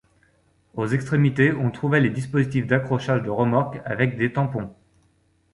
Aux extrémités on trouvait les dispositifs d'accrochage de remorque avec des tampons.